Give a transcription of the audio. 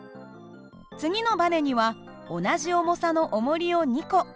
次のばねには同じ重さのおもりを２個。